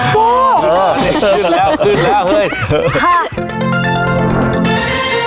ปูปูขึ้นแล้วขึ้นแล้วเฮ้ย